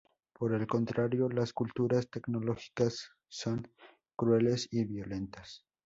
Por el contrario, las culturas tecnológicas son crueles y violentas.